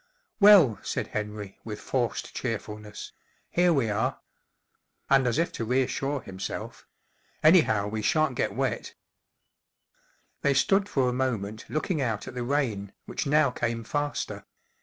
“ Well,” said Henry, with forced cheerful¬ ness, " here we are.” And as if to reassure himself : “.Anyhow, we sha'n't get wet.” They stood for a moment looking out at the rain, which now came faster.